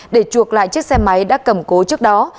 để chuộc lại chiếc xe máy đã cầm cố trước đó